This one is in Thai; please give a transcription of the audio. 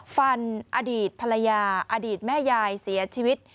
อดีตภรรยาอดีตแม่ยายเสียชีวิต